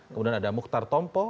kemudian ada mukhtar tompo